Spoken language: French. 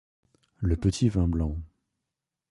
Le petit vin blanc.